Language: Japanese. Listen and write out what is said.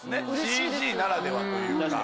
ＣＧならではというか。